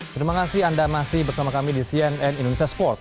terima kasih anda masih bersama kami di cnn indonesia sport